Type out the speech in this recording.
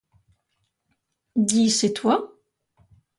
Dis, c'est toi?